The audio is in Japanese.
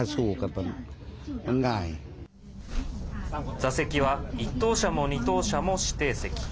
座席は１等車も２等車も指定席。